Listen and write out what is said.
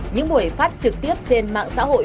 những buổi phát trực tiếp trên mạng xã hội